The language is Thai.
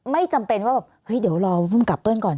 ไม่จำเป็นว่าแบบเฮ้ยเดี๋ยวรอภูมิกับเปิ้ลก่อน